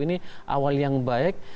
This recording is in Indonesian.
ini awal yang baik